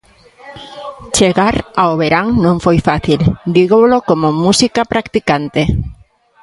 Chegar ao verán non foi fácil, dígovolo como música practicante.